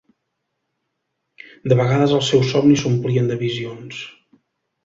De vegades els seus somnis s'omplien de visions.